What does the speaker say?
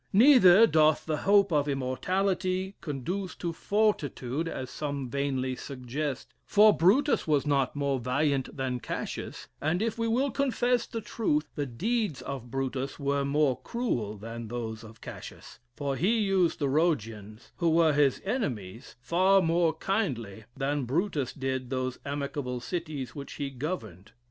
Neither doth the hope of immortality conduce to fortitude, as some vainly suggest, for Brutus was not more valiant than Cassius; and if we will confess the truth, the deeds of Brutus were more cruel than those of Cassius; for he used the Rhodians, who were his enemies, far more kindly than Brutus did those amicable cities which he governed.